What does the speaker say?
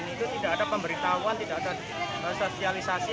itu tidak ada pemberitahuan tidak ada sosialisasi